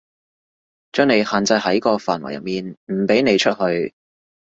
將你限制喺個範圍入面，唔畀你出去